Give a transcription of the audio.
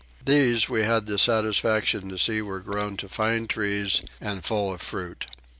These we had the satisfaction to see were grown to fine trees and full of fruit.